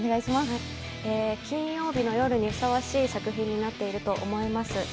金曜日の夜にふさわしい作品になっていると思います。